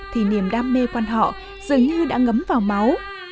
thì niềm đam mê quan họ dường như đã ngấm vào máu